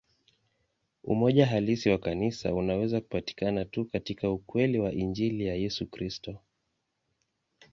Umoja halisi wa Kanisa unaweza kupatikana tu katika ukweli wa Injili ya Yesu Kristo.